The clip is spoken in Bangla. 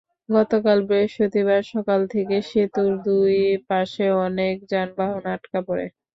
গতকাল বৃহস্পতিবার সকাল থেকে সেতুর দুই পাশে অনেক যানবাহন আটকা পড়ে।